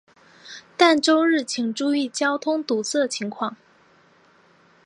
但周日请注意交通堵塞情况。